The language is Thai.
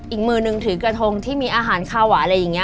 อีกมือนึงถือกระทงที่มีอาหารคาหวานอะไรอย่างนี้